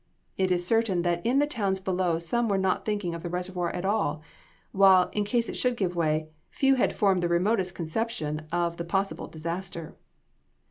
It is certain that in the towns below some were not thinking of the reservoir at all; while, in case it should give way, few had formed the remotest conception of the possible disaster.